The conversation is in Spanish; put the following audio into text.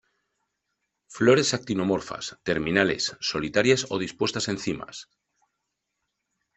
Flores actinomorfas, terminales, solitarias o dispuestas en cimas.